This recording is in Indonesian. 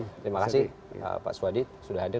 terima kasih pak swadi sudah hadir